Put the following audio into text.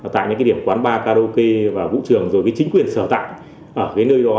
tại những điểm quán bar karaoke vũ trường rồi chính quyền sở tạng ở nơi đó